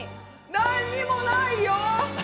何にもないよ！